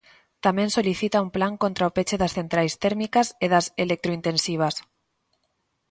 Tamén solicita un plan contra o peche das centrais térmicas e das electrointensivas.